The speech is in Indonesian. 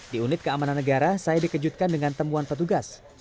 di unit keamanan negara saya dikejutkan dengan temuan petugas